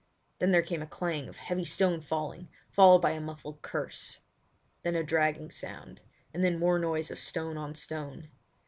Then there came a clang of a heavy stone falling, followed by a muffled curse. Then a dragging sound, and then more noise of stone on stone.